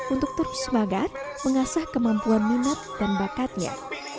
untuk terus semangat mengasah kemampuan minat dan bakatnya